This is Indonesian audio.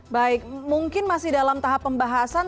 baik mungkin masih dalam tahap pembahasan